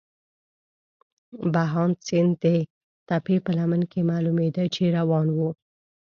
بهاند سیند د تپې په لمن کې معلومېده، چې روان وو.